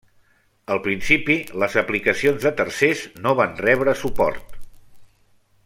Al principi, les aplicacions de tercers no van rebre suport.